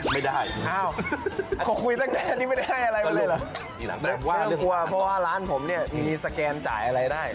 ไม่ต้องกลัวเพราะว่าร้านผมเนี่ยมีสแกนจ่ายอะไรได้